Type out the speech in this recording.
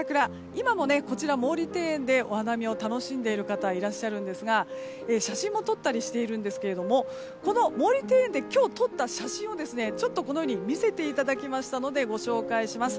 今も、こちら毛利庭園でお花見を楽しんでいる方いらっしゃるんですが、写真も撮ったりしているんですけどもこの毛利庭園で今日撮った写真を見せていただきましたのでご紹介します。